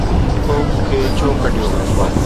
تو مون کي ڇو ڪڍيو؟